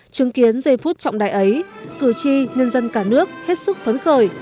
chứng kiến giây phút trọng đại ấy cử tri nhân dân cả nước hết sức phấn khởi